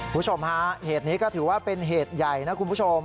คุณผู้ชมฮะเหตุนี้ก็ถือว่าเป็นเหตุใหญ่นะคุณผู้ชม